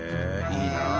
いいなあ。